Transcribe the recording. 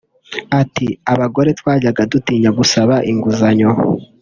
Ati”Abagore twajyaga dutinya gusaba inguzanyo